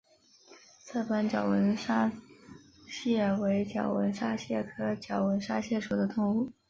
色斑角吻沙蚕为角吻沙蚕科角吻沙蚕属的动物。